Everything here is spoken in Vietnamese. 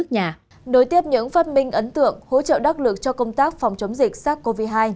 đối tiếp những phát minh ấn tượng hỗ trợ đắc lực cho công tác phòng chống dịch sars cov hai